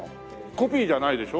コピーじゃないでしょ？